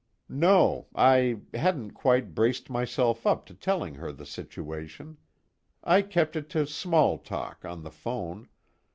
"No, I hadn't quite braced myself up to telling her the situation. I kept it to small talk, on the phone.